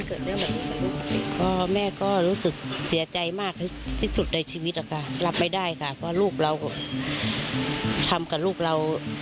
เอาใหม่ก็รู้สึกเสียใจมากที่สุดในชีวิตและระบายได้ค่ะเพราะลูกแล้วตันความกันลูกเรา